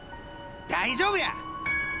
大丈夫や！